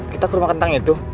kita ke rumah kentang itu